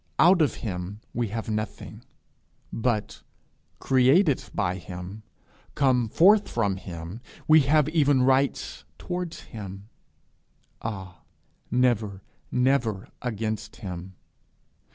Out of him we have nothing; but, created by him, come forth from him, we have even rights towards him ah, never, never against him!